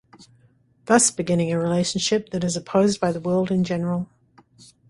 Thus beginning a relationship that is opposed by the world in general.